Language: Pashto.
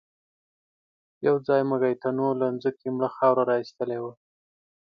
يوځای مېږتنو له ځمکې مړه خاوره را ايستلې وه.